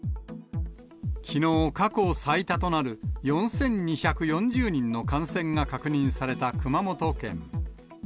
きのう、過去最多となる４２４０人の感染が確認された熊本県。